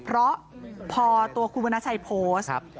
เพราะพอตัวคุณวรรณชัยโพสต์